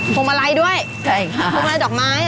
พรหมะไรด้วยพรหมะไรจากไม้